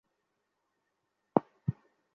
কিচ্ছু ভেবো না!